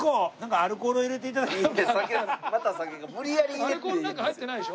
アルコールなんか入ってないでしょ？